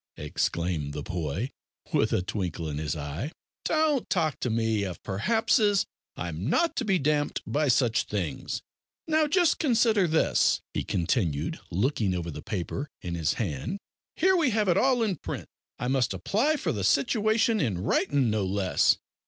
exclaimed the boy, with a twinkle in his eye; "don't talk to me of perhapses, I'm not to be damped by such things. Now, just consider this," he continued, looking over the paper in his hand, "here we have it all in print. I must apply for the situation in writin' no less.